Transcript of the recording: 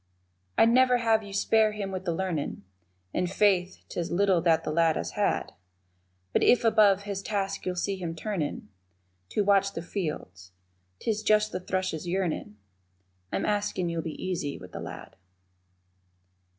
I'd never have you spare him with the learnin', (And, Faith, 'tis little that the lad has had), But if above his task you'll see him turnin' To watch the fields 'tis just the thrush's yearnin' I'm askin' you'll be easy with the lad.